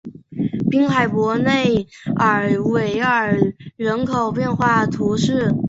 滨海伯内尔维尔人口变化图示